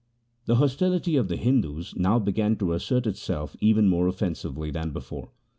The hostility of the Hindus now began to assert itself even more offensively than before.